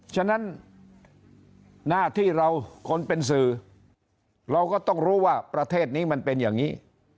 ฉะนั้นหน้าที่เราคนเป็นสื่อเราก็ต้องรู้ว่าประเทศนี้มันเป็นอย่างนี้